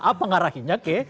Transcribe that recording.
apa ngarahinnya ke